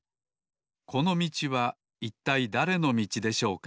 このみちはいったいだれのみちでしょうか？